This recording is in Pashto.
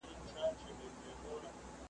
موږ چي ګورې یا خوړل یا الوتل وي `